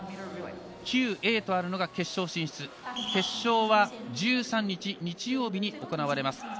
ＱＡとあるのが決勝進出決勝は１３日日曜日に行われます。